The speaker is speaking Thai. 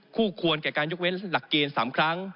คู่ควรแก่การยกเว้นหลักเกณฑ์๓ครั้ง